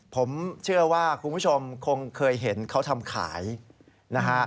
ผมเชื่อว่าคุณผู้ชมคงเคยเห็นเขาทำขายนะฮะ